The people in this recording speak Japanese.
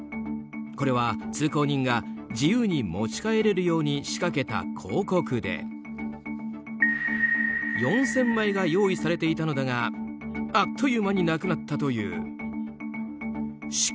これは、通行人が自由に持ち帰れるように仕掛けた広告で４０００枚が用意されていたのだがあっという間になくなったという。